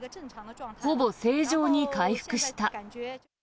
ほぼ正常に回復した。